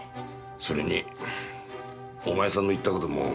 それにお前さんの言った事も気になった。